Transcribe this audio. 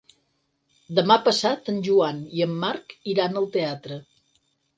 Demà passat en Joan i en Marc iran al teatre.